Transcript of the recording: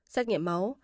xét nghiệm máu